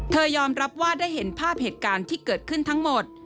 ยอมรับว่าได้เห็นภาพเหตุการณ์ที่เกิดขึ้นทั้งหมด